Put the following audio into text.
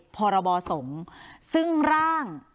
พรบสงฆ์ซึ่งร่าง